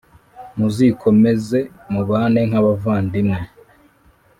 muzikomeze mubane nk’abavandimwe